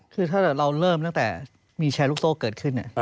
คือถ้าเราเริ่มตั้งแต่มีแชร์ลูกโซ่เกิดขึ้น